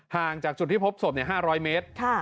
ห่างจากจุดที่พบศพ๕๐๐เมตร